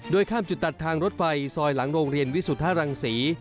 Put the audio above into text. ข้ามจุดตัดทางรถไฟซอยหลังโรงเรียนวิสุทธารังศรี